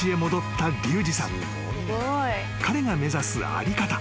［彼が目指す在り方。